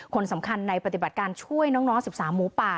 คนสำคัญในปฏิบัติการช่วยน้อง๑๓หมูป่า